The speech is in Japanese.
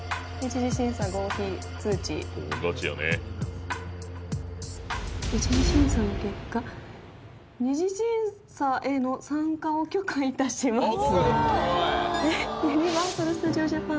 「一次審査の結果二次審査への参加を許可いたします」